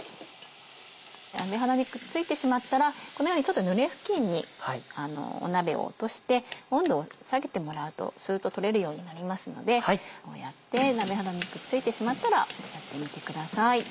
鍋肌にくっついてしまったらこのようにちょっとぬれ布巾に鍋を落として温度を下げてもらうとスっと取れるようになりますのでこうやって鍋肌にくっついてしまったらやってみてください。